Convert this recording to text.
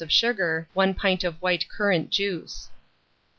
of sugar, 1 pint of white currant juice.